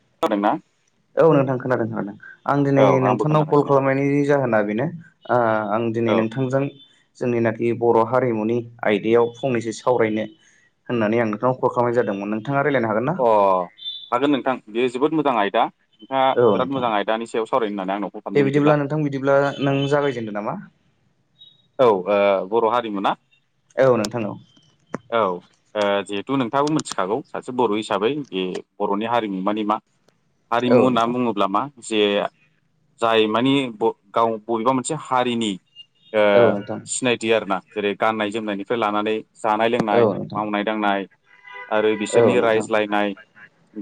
[inaudible] ना औ नोंथां खोनादों- खोनादों आं दिनै औ आंबो नोंथांनाव कल खोनागासिनो खालामनायनि जाहोना बेनो आं औ दिनै नोंथांजों जोंनिनाखि बर' हारिमुनि आयदायाव फंनैसो सावरायनो होननानै आं नोंथांनाव कल खालामनाय जादोंमोन नोंथाङा रायलायनो हागोन ना? अ हागोन नोंथां बेयो जोबोद मोजां आयदा। नोंथाङा औ बिराद नोंथां मोजां आयदानि सायाव सावरायनो होननानै आंनाव फन दे खालामदों बिदिब्ला नोंथां बिदिब्ला नों औ जागायजेनदो नामा? [inaudible] औ बर' हारिमुना? औ नोंथां औ। औ ओ जिहेथु नोंथाङाबो मिथिखागौ सासे बर' हिसाबै बे बर'नि हारिमु मानि मा? औ हारिमु होनना नोंथां बुङोब्ला मा जे जाय मानि गाव बबेबा मोनसे हारिनि ओ औ नोंथां सिनायथि आरोना जेरै गाननाय जोमनायनिफ्राय लानानै जानाय औ लोंनाय नोंथां मावनाय दांनाय आरो औ बिसोरनि नोंथां रायज्लायनाय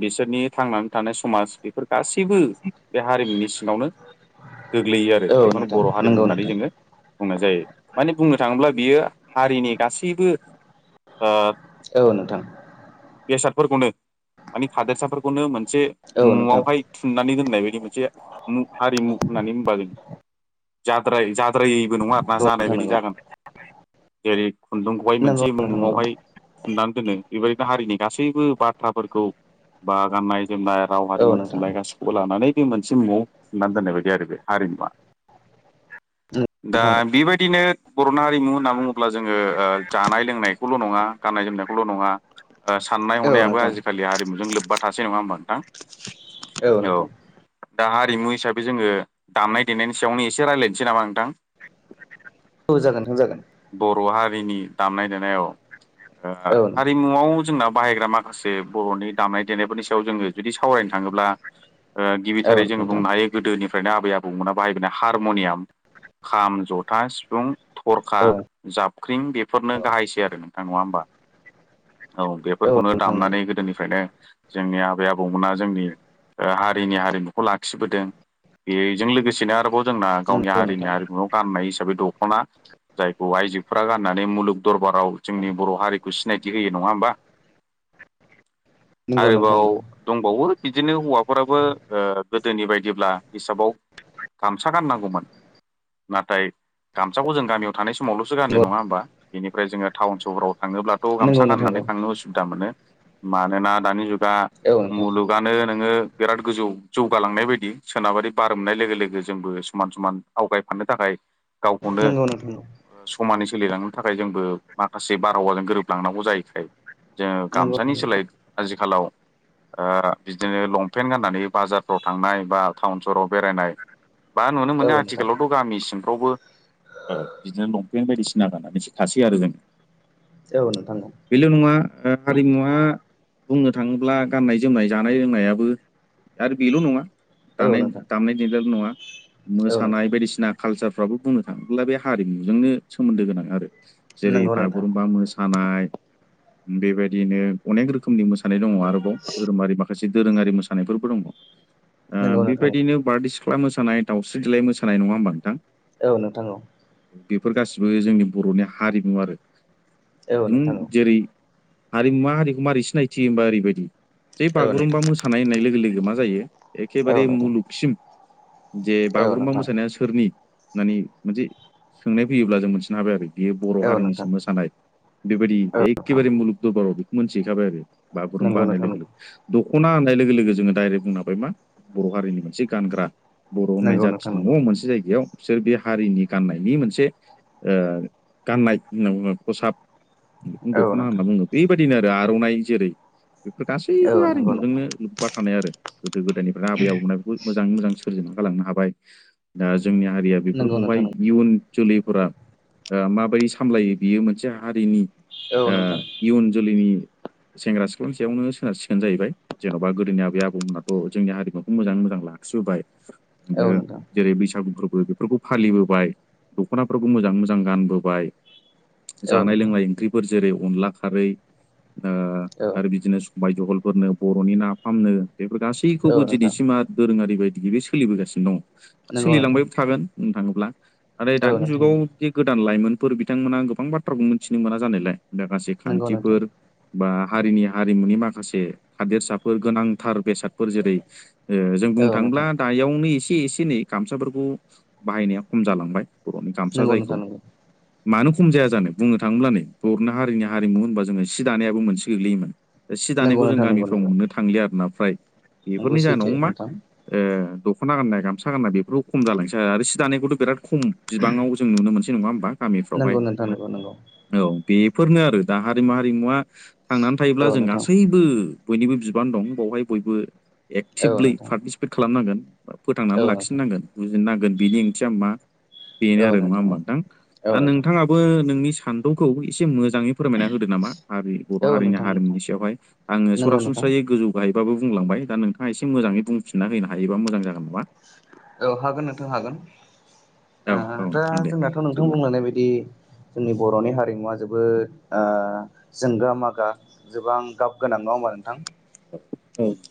बिसोरनि थांनानै थानाय समाज बेफोर गासैबो बे हारिमुनि सिङावनो गोग्लैयो आरो औ बेखौनो नोंथां बर' हारिमु नंगौ होननानै नोंथां जोङो बुंनाय जायो माने बुंनो थाङोब्ला बियो हारिनि गासैबो ओ औ नोंथां बेसादफोरखौनो माने थादोरसाफोरखौनो मोनसे औ नोंथां औ नोंथां न'आवहाय थुननानै दोनाय होननाय बायदि मोनसे मुं -हारिमु होन्नानै होनबा जाद्रायै जाद्राय बाद्रायबो नङा बा जानाय नंगौ बायदि जागोन जेरै खुन्दुंखौहाय नंगौ मोनसे नोंथां नंगौ मुआवहाय थुनानै दोनो। बेबायदिनो हारिनि गासैबो बाथ्राफोरखौ बा गाननाय जोमनाय राव औ हारिमु नोंथां थुनलाइ गासिखौबो लानानै मोनसे मुंवाव थुंनानै दोननाय बायदि आरो बे हारिमुवा दा नोंथां बेबायदिनो बर'ना हारिमु होनना बुङोब्ला जोङो जानाय लोंनायखौल' नङा गान्नाय जोमनायखौल' नङा साननाय औ हनायाबो नोंथां आजिखालि हारिमुजों लोब्बा थासै नङा होमबा नोंथां? औ नोंथां। दा हारिमु हिसाबै जोङो दामनाय देनायनि सायावनो एसे रायज्लायनोसै नामा नोंथां? औ जागोन नोंथां जागोन बर' हारिनि दामनाय -देनाय औ। औ नोंथां हारिमुआव जोंना बाहायग्रा माखासे बर'नि दामनाय देनायफोरनि सायाव जोङो जुदि सावरायनो थाङोब्ला ओ औ गिबिथारै जोङो नोंथां बुंनो हायो गोदोनिफ्रायनो आबै- आबौमोना बाहायबोनाय हारम'नियाम खाम जथा सिफुं थरखा औ जाबख्रिं बेफोरनो गाहायसै आरो नों थां नङा होमबा औ बेफोरखौनो दामनानै गोदोनिफ्रायनो जोंनि आबै -आबौमोना जोंनि हारिनि हारिमुखौ लाखिबोदों। बेजों लोगोसेनो आरोबाव जोंना गावनि नंगौ नंगौ हारिनि नोंथां हारिमुआव गाननाय इसे हिसाबै दख'ना जायखौ आइजोफोरा गाननानै मुलुग दरबाराव जोंनि बर' हारिखौ सिनायथि होयो नङा नङा होमबा? [inaudible] नंगौ नोंथां आरोबाव नंगौ दंबावो बिदिनो हौवाफोराबो ओ गोदोनि बायदिब्ला हिसाबाव गामसा गाननांगौमोन। नाथाय गामसाखौ जों गामियाव थानाय समावल'सो गानो नङा होमबा? बेनिफ्राय जोङो टाउन सहराव थाङोब्लाथ' नंगौ गामसा नोंथां गाननानै थांनो उसुबिदा मोनो। मानोना दानि जुगा औ नोंथां मुलुगानो नोङो बिराद गोजौ जौगालांनाय बायदि सोनाबारि बारोमनाय लोगो लोगो जोंबो समान -समान आवगायफानो थाखाय गावखौनो नंगौ नोंथां समानै सोलिलांनो थाखाय जोंबो माखासे बारहावाजों गोरोबलांनांगौ जायैखाय जोङो नंगौ गामसानि नोंथां सोलाय आजिखालाव ओ बिदिनो लंपेन्ट गाननानै बाजारफ्राव थांनाय बा टाउन सहराव बेरायनाय बा नुनो औ मोनो नोंथां आथिखालावथ' गामि सिमफ्रावबो ओ बिदिनो लंपेन्ट बायदिसिना सिना गानासो थासै आरो जों औ नोंथां औ बेल' नङा हारिमुवा बुंनो थाङोब्ला गाननाय- जोमनाय जानाय लोंनायाबो आरो बेल' नङा औ दानाय नोंथां दामनाय देनायल' नङा औ नोंथां। नाय बायदिसिना कालचारफ्राबो बुंनो थाङोब्ला बे हारिमुजोंनो सोमोन्दो गोनां आरो। जेरै नंगौ नोंथां बागुरुम्बा मोसा मोसानाय बेबायदिनो अनेक रोखोमनि मोसानाय दङ आरोबाव धोरोमारि माखासे खासे दोरोङारि मोसानायफोरबो दङ ओ नंगौ नोंथां बेबायदिनो बारदै सिख्ला मोसानाय दाउसि सिदलाय मोानाय नङा ह होनब नोंथां? औ नोंथां औ। बेफोर गासिबो जोंनि बर'नि हारिमु आरो औ औ अम नोंथां औ जेरै हारिमुवा हारिखौ माबारै सिनायथियो होनबा ओरैबायदि। जे बागुरुम्बा औ मोसानाय होननाय लोगो लोगो मा जायो एखेबारे नोंथां मुलुगसिम जे औ नोंथां औ बागुरुम्बा नोंथां मोसानाया सोरनि होननानै मोनसे सोंनाय फैयोब्ला जों मोनथिनो हाबाय आरो बेयो बर' औ हारिनिसो नोंथां मोसानाय बेबायदि औ नोंथां एखेबारे मुलुग दरबाराव बेखौ मोनथिहैखाबाय आरो। बागुरुमबा नंगौ होननाय नोंथां लोगो लोगोनो द दख'ना होननाय लोगो- लोगो जोङो डाइरेक्ट बुंनो हाबाय मा बर' हारिनि मोनसे गानग्रा बर' होननाय नंगौ जा नोंथां नंगौ दङ मोनसे जायगायाव बिसोर बे हारिनि गाननायनि मोनसे ओ गाननाय होननाबुंगो कसाब खौनो औ दख'ना होनना नोंथां बुङो बेबायदिनो आरो आर'नाइ जेरै' बेफोर औ गासैबो नंगौ नोंथां आरिमुजोंनो लोब्बा थानाय आरो गोदो गोदायनिफ्राय आबै आबौमोनबो मोजाङै मोजां। सोरजिना गालांनो हाबाय दा जोंनि हारिया नंगौ बेफोरखौहाय नोंथां इयुन जोलैफोरा माबाय सामलायो बियो मोनसे हारिनि औ आ नोंथां इयुन जोलैनि सेंग्रा -सिख्ला सयावनो सोनार सिखगोन जाहैबाय जेन'बा गोदोनि आबै- आबौमोनाथ' जोंनि हारिमुखौ मोजां [inaudible] बाय औ नोंथां बे बैसागु फोरबो बेफोरखौ फालिबोबाय दख'नाफोरखौ मोजांडै-मोजां गानबोबाय। औ जानाय- लोंनाय नोंथां ओंख्रिफोर जेरै अनला खारै औ आरो बिदिनो बाय जहलफोरनो बर'नि ना फामनो बेफोर औ गासैखौबो नोंथां दिनैसिमा दोरोङारि बायदि बेबो सोलिबोगासिनो दङ नंगौ सोलिलांबायबो नोंथां थागोन बुंनो थाङोब्ला न औ दानि नोंथां जुगाव जे गोदान लाइमोनफोर बिथांमोना गोबां बाथ्राखौ मिथिनो मोना जानायलाय माखासे नंगौ नोंथां खान्थिफोर बा हारिनि हारिमुनि माखासे हादेरसाफोर गोनांथार बेसादफोर जेरै' ओ जों औ बुंनो नोंथां थाङोब्ला दयावनो एसे -एसेनै गामसाफोरखौ बाहायनाया खम जालांबाय। बर'नि गामसा नंगौ नोंथां जायखौ नंगौ। मानो खम जाया जानो बुंनो थाङोब्ला नै बर'नि हारिनि -हारिमु होनबा जोङो सि दानायाबो मोनसे गोगल्लैयोमोन। सि नंगौ दानायखौ जों नोंथां नंगौ गामिफ्राव नंगौ मोननो थांलि आरोना फ्राय नंगौ बेफोरनि सैथो जाहोनाव मा। नोंथां ओ दख'ना गाननाय, गामसा गाननाय बेफोरखौाव खम जालांनोसै आरो सि दानायखौथ'राद खम बिबाङाव जों नुनो मोनै नङा होमबा? गामिफ्राव हाय। नंगौ नोंथां नंगौ नंगौ औ बेफोरनो आरो दा हारिमु हारिमुवा थांनानै थायोब्ला औ जों नोंथां गासैबो बयनिबो बिबान दं बावहाय बयबो औ एक्टिभलै नोंथां पार्टिसिपेट खालामनांगोन ब फोथांनानै औ लाखि नोंथां खिनांगोन बुजिनांगोन बिनि ओंथिया मा बेनो आरो नङा होमबा नोंथां औ दा नोंथां नोंथाङाबो नोंनि सान्दुंखौ एसे मोजां मोजाङै फोरमायना होदो नामा हारि बर' औ हारिनि नोंथां नोंथां हारिमुनि सायावहाय आङो नंगौ नोंथां सरासनस्रायै गोजौ गाहाय बाबो बुंलांबाय दा नोंथाङा एसे मोजाङै बुंफिनना होनो हायोबा मोजां जागोन नामा? औ हागोन नोंथां हागोन औ ओ औ दा नोंथां दे जोंनाथ' नोंथां बिदिब्ला बुंलांनाय बादि जोंनि बर'नि हारिमुवा जोबोद ओ जोंगा मागा जोबां गाब गोनां नङा होनबा बा नोंथां औ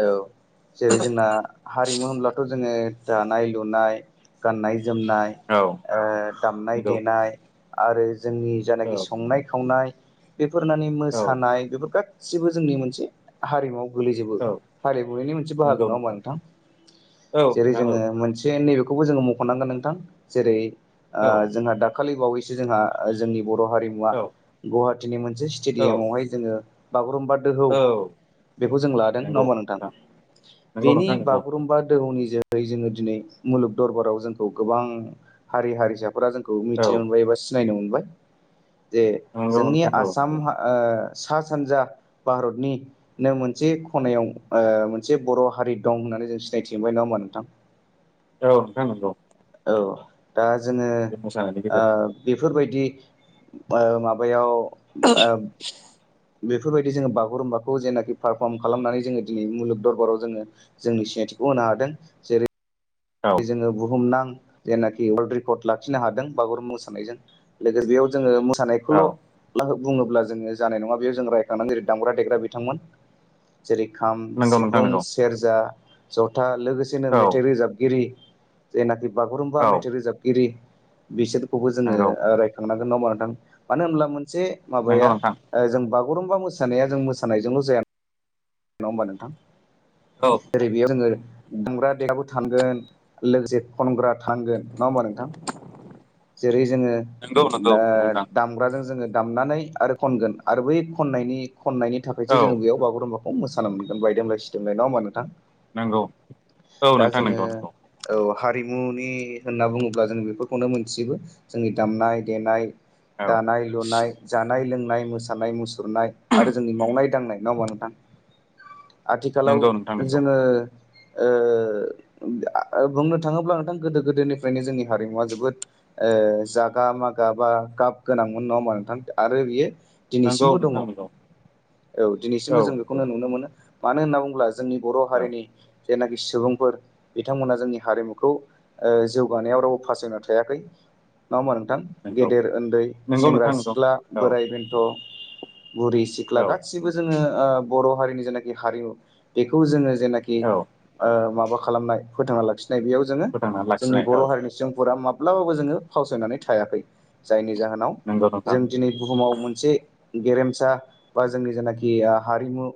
औ जेरै जोंना हारिमु होनब्लाथ' जोङो जानाय लुनाय गाननाय जोमनाय औ ओ दामनाय नंगौ देनाय आरो जोंनि औ जायनाखि संनाय -खावनाय बेफोर माने औ मोसानाय बेफोर गासैबो जोंनि मोनसे हारिमुआव गोलैजोबो औ बोराय -बुरैनि मोनसे बाहागो नङा होनबा नोंथां औ जेरै नोंथां औ जोङो मोनसे बे नैबेखौबो जोङो मखनांगोन नोंथां जेरै ओ औ जोंहा दाखालि बावैसो जोंहा जोंनि बर' हारिमुआ औ गुवाहाटीनि मोनसे औ स्टेडियामावहाय जोङो बागु बागुरुमबा दोहौ औ बेखौ जों लादों नङा नोंथां नंगौ बेनि नोंथां नंगौ बागुरुम्बा दोहौ नि जोहै जोङो दिनै मुलुग दरबाराव जोंखौ गोबां हारि हारिसा फोरा जोंखौ औ मिथिनो मोनबाय एबा सिनायनो मोनबाय जे नंगौ जोंनि नोंथां औ आसाम नंगौ हा ओ सा सानजा भारतनिनो मोनसे खनायाव ओ मोनसे बर हारि दं होननानै जों सिनायथि मोनबाय नङा होमा नोंथां औ नोंथां नंगौ। औ दा जोङो बे मोसानायनि ओ गेजेरजों बेफोरबायदि ओ माबायाव ओ बेफोरबायदि जोङो बागुरुम्बाखौ जेनाखि पारफर्म खालामनानै जोङो दिनै मुलुग दरबाराव जोङो जोंनि सि सिनायथिखौ होनो हादों जेरै औ जोङो बुहुमनां जेनाखि वर्ल्ड रेकर्ड लाखिनो हादों बागुरुम मोसानायजों लोगोसे बेयाव जोङो औ नायखौल' लाहो बुङोब्ला जोङो जानाय नङा बेयाव जों रायखांनानै जेरै दामग्रा -देग्रा बिथांमोन जेरै खाम, नंगौ नोंथां सिफुं, नंगौ सेरजा, जथा लोगोसेनो औ मेथाइ रोजाब गिरि जायनाखि बागुरुम्बा औ मेथाइ रोजाबगिरि बिसोरखौबो जोङो नंगौ रायखांनांगोन। नङा होमब्ला नोंथां मानो होमब्ला मोनसे नंगौ माबाया नोंथां जों बा बागुरुमबा मोसानाया जों मोसानायजोंल' जाया। नङा होमबा नोंथां औ ओरै बेयाव जोङो दामग्रा देग्राबो थांगोन। लोगोसे खनग्रा थांगोन नङा होनबा नोंथां जेरै जोङो नंगौ नंगौ ओ नंगौ नोंथां दामग्राजों जोङो दामनानै आरो खनगोन आरो बै खननायनि खननायनि औ थाखायसो जोङो बेयाव बागुरुम्बा खौ मोसानो मोनगोन बायदेमलाय सिदेमलाय नङा होमबा नोंथां। नंगौ औ दा नोंथां जोङो नंगौ नंगौ। औ हारिमुनि होनना बुङोब्ला जों बेफोरखौनो मोनथिजोबो जोंनि दामनाय-देनाय औ दानाय लुनाय जानाय लोंनाय मोसानाय मुसुरनाय आरो जोंनि मावनाय दांनाय। नङा होनबा नोंथां आथिखालाव नंगौ नोंथां नंगौ जोङो ओ बुंनो थाङोब्ला नोंथां गोदो गोदोनिफ्रायनो जोंनि हारिमुवा जोबोद ओ जागा मागा बा गाब गोनांमोन नङा होमबा नोंथां आरो बियो नंगौ दिनैसिमबो दङ नोंथां औ नंगौ दिनैसिमबो औ जों नंगौ बेखौनो नुनो मोनो मानो होनना बुङोब्ला जोंनि औ बर'हारिनि जेनाखि सुबुंफोर बिथांमोना जोंनि हारिमुखौ ओ जौगानायाव रावबो फासायना थायाखै। नङा होमबा नोंथां नंगौ गेदेर उन्दै नंगौ सेंग्रा नोंथां नंगौ सिख्ला औ बोराय बेन्थ' बुरि सिख्ला औ गासिबो जोङो ओ बर' हारिनि जेनाखि हारिमु बेखौ जोङो जेनाखि औ ओ माबा खालामनाय फोथांना लाखि नाय बेयाव जोङो फोथांनानै जोंनि लाखिनाय औ बर' हारिनि सुबुंफोरा माब्लाबाबो जोङो फावसायनानै थायाखै जायनि जाहोनाव नंगौ नोंथां जों दिनै बुहुमाव मोनसे गेरेमसा बा जोंनि जेनाखि ओ हारिमु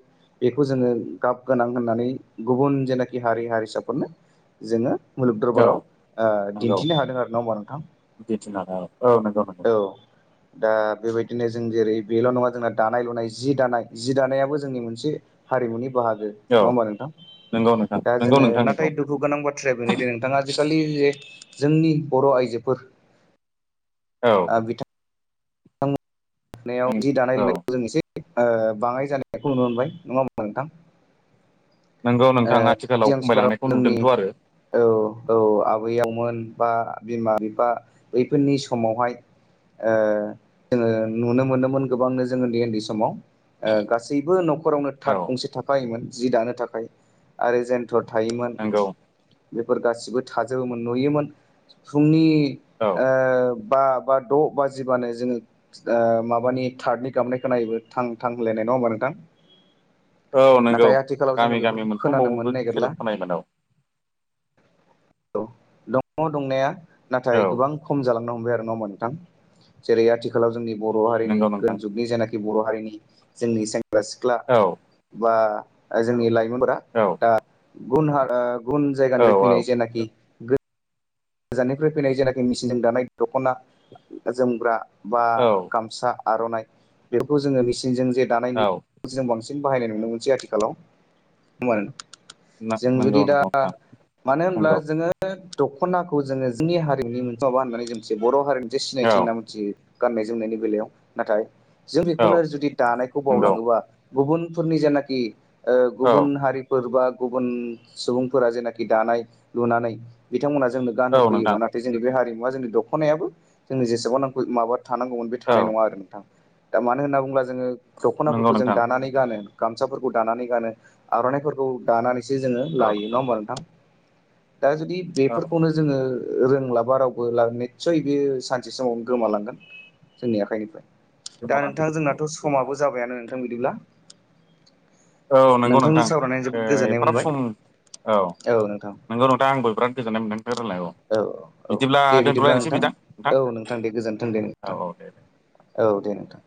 बेखौ जोङो गाब गोनां होननानै गुबुन जेनाखि हारि हारिसाफोरनो जोङो मुलुग औ दरबाराव ओ दिन्थिनो हादों आरो नङा होमबा नोंथां। बिदि नागार औ नंगौ नंगौ। औ दा बेबायदिनो जों जेरै बेल' नङा जोंना दानाय -लुनाय जि दानाय जि दानाया जोंनि मोनसे हारिमुनि बाहागो औ नङा होमबा नोंथां। नंगौ नोंथां दा नंगौ जोङो नोंथां नंगौ नाथाय दुखु गोनां बाथ्राया बेनो दे नोंथाङा आजिखालि जे जोंनि बर' आइजोफोर औ ओ बिथां नायाव जि दानाय औ लुनायखौ जों एसे ओ बाङाय जानाय बेखौ नुनो मोनबाय नङा होमबा नोंथां? नंगौ नोंथां ओ आथिखालाव सिगांस फोराव खमायलांनायखौ जोंनि नुदोंथ' आरो औ औ आबै आबौमोन बा बिमा बिफा बैफोरनि समावहाय ओ जोङो नुनो मोनोमोन गोबांनो जों उन्दै -उन्दै समाव ओ गासैबो न'खर न'खरावनो थाथ औ गंसे थाखाायोमोन जि दानो थाखाय आरो जेनथ'र थायोमोन। नंगौ बेफोर गासिबो थाजोबोमोन नुयोमोन फुंनि औ ओ बा बा द' बाजिबानो जोङो ओ माबानि थार्दनि गाबनायखौ खोनायोबो थां -थां लेनाय नङ नङा होमबा नोंथां? औ नंगौ नाथाय आथिखालाव जोङो गामि गामि बेफोरखौ खोनानो मोनफ्रोमावबो मोननो नागिरला सोदोब खोनायोमोन औ औ दङ दंनाया नाथाय औ गोबां खम जालांनो हमबाय। आरो नङा होमबा नोंथां जेरै आथिखालाव जोंनि बर' हारिनि नंगौ गोदान नोंथां जुगनि जायनाखि बर' हारिनि जोंनि सेंग्रा -सिख्ला औ बा जोंनि लाइमोनफोरा औ दा गुन हा गुबुन औ जायगानिफ्राय औ फैनाय जेनाखि गो गोजाननिफ्राय फैनाय जेनाखि मेसिनजों दानाय दख'ना जोमग्रा बा औ गामसा आर'नाइ बेफोरखौ जोङो मेचिनजों जे दानाय औ जों बांसिन जों बाहायनाय नुनो मोनसै आथिखालाव। नंगौ जों नंगौ जुदि दा नोंथां मानो होनब्ला नंगौ जोङो दखनाखौ जोङो जोंनि हारिनि मोनसे माबा होननानै जों मोनसे बर' हारिनिसे औ सिनायथि होनना मोनथियो। गाननाय -जोमनायनि बेलायाव नाथाय जों औ बेखौनो जुदि दानायखौ नंगौ बावलाङोबा गुबुनफोरनि जेनाखि ओ औ गुबुन हारिफोर बा गुबुन सुबुंफोरा जेनाखि दानाय लुनानै बिथांमोना जोंनो गान हो औ फैयोबा नोंथां नाथाय जोंनि बे हारिमुवा जोंनि दखनायाबो जोंनि जेसेबां नांगौ माबा थानांगौमोन बे औ थानाय नङा आरो नोंथां। दा मानो होनना बुंब्ला जोङो नंगौ दखनाफोरखौ जों नोंथां दानानै गानो गामसाफोरखौ दानानै गानो आर'नाइफोरखौ दानानैसो जोङो लायो नङा होमबा नोंथां। दा जुदि औ बेफोरखौनो जोङो रोंलाबारावबो लागनि निस्सय बे सानसे समाव गोमालांगोन जोंनि आखाइनिफ्राय। दा गोमालांनो नोंथां नांगौ जोंनाथ' जेब्ला समाबो जाबायानो नोंथां बिदिब्ला। औ नंगौ नोंथां नोंथांजों सावरायनानै ओ जोबोद गोजोननाय एफाराब मोनबाय सम औ औ नोंथां नंगौ नोंथा। आंबो बिराद गोजोननाय मोनदों नोंथांनि रायलायनायखौ। औ औ औ दे बिदिब्ला नोंथां। औ नोंथां दे गोजोनथों दे नोंथां। औ औ दे दे औ दे नोंथां।